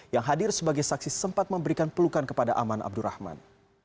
yang hadir sebagai saksi sempat memberikan pelukan kepada aman abdurrahman